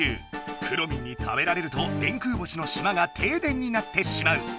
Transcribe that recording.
くろミンに食べられると電空星のしまが停電になってしまう！